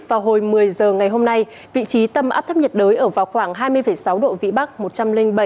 và hồi một mươi giờ ngày hôm nay vị trí tâm áp thấp nhiệt đới ở vào khoảng hai mươi sáu độ vĩ bắc